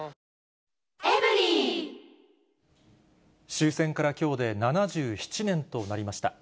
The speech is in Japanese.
終戦からきょうで７７年となりました。